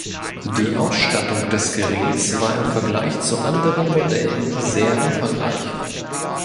Die Ausstattung des Geräts war im Vergleich zu anderen Modellen sehr umfangreich.